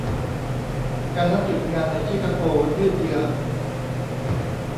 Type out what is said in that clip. การนัดหยุดงานในชิคาโกยืดเยื้อ